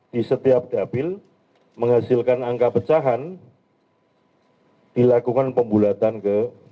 di setiap dapil menghasilkan angka pecahan dilakukan pembulatan ke